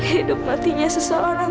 hidup matinya seseorang